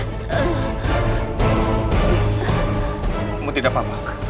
kamu tidak apa apa